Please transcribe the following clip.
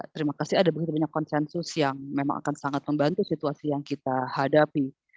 terima kasih ada begitu banyak konsensus yang memang akan sangat membantu situasi yang kita hadapi